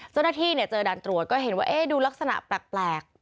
เจ้าหน้าที่เจอด่านตรวจก็เห็นว่าดูลักษณะแปลก